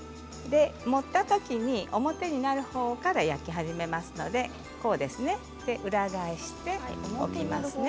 盛ったときに表になるほうから焼き始めますのでこちらですね。